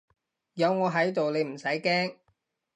有我喺度你唔使驚